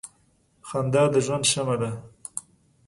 • خندا د ژوند شمع ده.